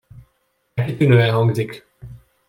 De kitűnően hangzik!